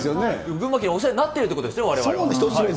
群馬県にお世話になっているということですね、われわれは。